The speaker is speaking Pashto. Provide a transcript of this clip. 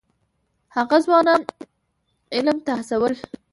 هغه ځوانان علم ته هڅول.